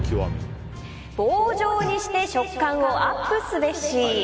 棒状にして食感をアップすべし。